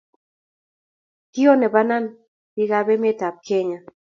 Kiyonei panan piik chebo emet ab Kenya